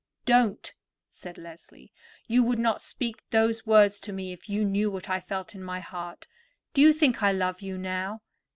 "Don't," said Leslie. "You would not speak those words to me if you knew what I felt in my heart. Do you think I love you now?